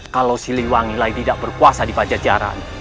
kalau si liwangi lagi tidak berpuasa di pajak jarak